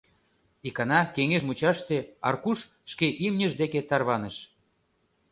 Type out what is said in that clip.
Икана кеҥеж мучаште Аркуш шке имньыж деке тарваныш.